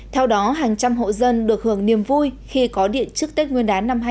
theo đó hàng trăm hộ dân được hưởng niềm vui khi có điện trước tết nguyên đán năm hai nghìn hai mươi